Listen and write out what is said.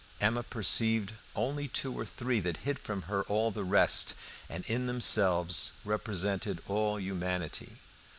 Emma perceived only two or three that hid from her all the rest, and in themselves represented all humanity.